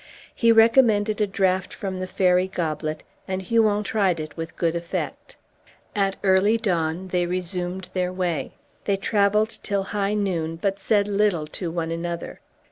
He recommended a draught from the fairy goblet, and Huon tried it with good effect. At early dawn they resumed their way. They travelled till high noon, but said little to one another.